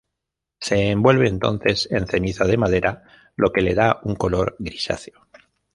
Se envuelve entonces en ceniza de madera, lo que le da un color grisáceo.